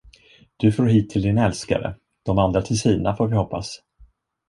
Du for hit till din älskare, de andra till sina, får vi hoppas.